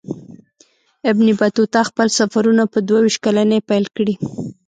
ابن بطوطه خپل سفرونه په دوه ویشت کلنۍ پیل کړي.